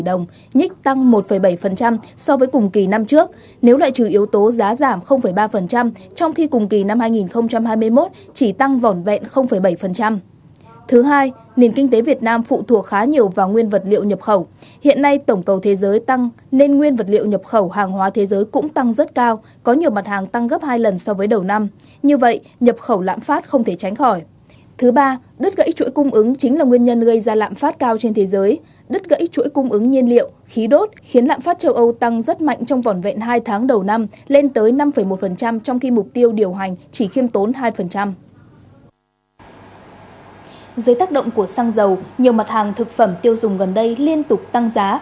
dưới tác động của xăng dầu nhiều mặt hàng thực phẩm tiêu dùng gần đây liên tục tăng giá